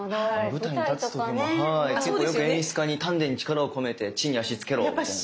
舞台に立つ時も結構よく演出家に丹田に力を込めて地に足つけろみたいな。